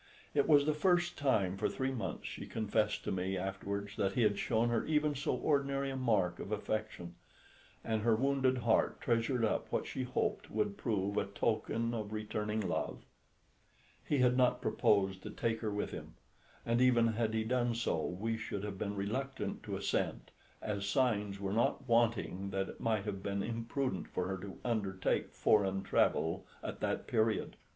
It was the first time for three months, she confessed to me afterwards, that he had shown her even so ordinary a mark of affection; and her wounded heart treasured up what she hoped would prove a token of returning love. He had not proposed to take her with him, and even had he done so, we should have been reluctant to assent, as signs were not wanting that it might have been imprudent for her to undertake foreign travel at that period.